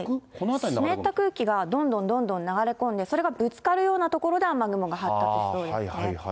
湿った空気がどんどんどんどん流れ込んで、それがぶつかるような所で雨雲が発達しそうですね。